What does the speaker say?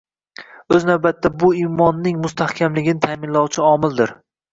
O‘z navbatida bu imonning mustahkamligini ta'minlovchi omildir